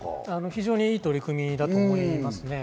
非常に良い取り組みだと思います。